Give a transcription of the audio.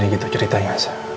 gini gitu ceritanya